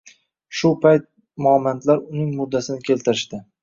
Shu payt momandlar uning murdasini keltirishdi.